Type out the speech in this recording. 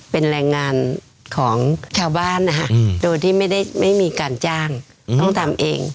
เป็นแรงงานของชาวบ้านนะฮะโดยที่ไม่ได้ไม่มีการจ้างต้องทำเอง